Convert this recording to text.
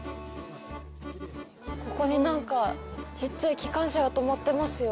ここに、なんかちっちゃい機関車がとまってますよ。